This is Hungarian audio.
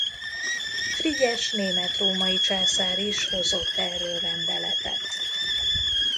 Frigyes német-római császár is hozott erről rendeletet.